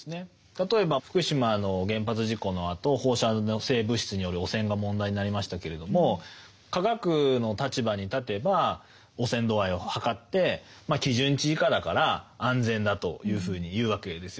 例えば福島の原発事故のあと放射性物質による汚染が問題になりましたけれども科学の立場に立てば汚染度合いを測って基準値以下だから安全だというふうに言うわけですよね。